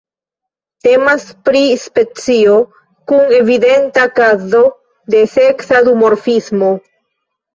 Temas pri specio kun evidenta kazo de seksa duformismo.